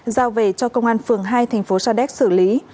giao về cho công an phường hai thành phố sadek xử lý